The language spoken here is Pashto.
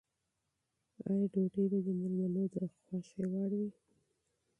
آیا ډوډۍ به د مېلمنو د خوښې مطابق وي؟